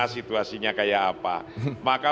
situasinya kayak apa maka